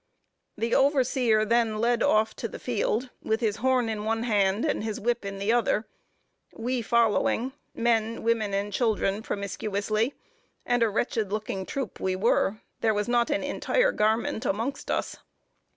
The overseer then led off to the field, with his horn in one hand and his whip in the other; we following men, women, and children, promiscuously and a wretched looking troop we were. There was not an entire garment amongst us.